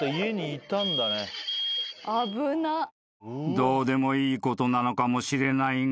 ［どうでもいいことなのかもしれないが］